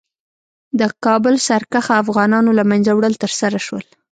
د کابل سرکښه افغانانو له منځه وړل ترسره شول.